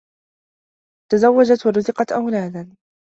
تزوّجت و رُزِقت أولادا.